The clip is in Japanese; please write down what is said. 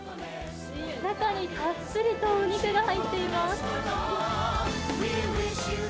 中にたっぷりとお肉が入っています。